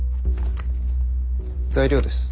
材料です。